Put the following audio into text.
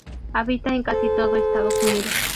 Habita en casi todo Estados Unidos.